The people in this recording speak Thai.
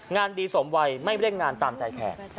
งานดีสมวัยไม่เร่งงานตามใจแขก